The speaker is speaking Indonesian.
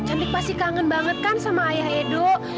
cantik pasti kangen banget kan sama ayah edo